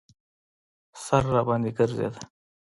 سر راباندې ګرځېده.